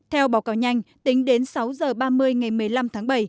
theo báo cáo nhanh tính đến sáu h ba mươi ngày một mươi năm tháng bảy